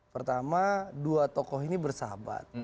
pertama dua tokoh ini bersahabat